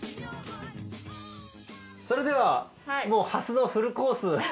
それではハスのフルコース。